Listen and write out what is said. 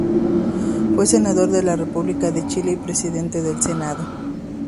Fue Senador de la República de Chile y Presidente del Senado.